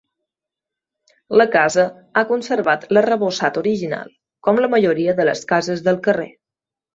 La casa ha conservat l'arrebossat original, com la majoria de les cases del carrer.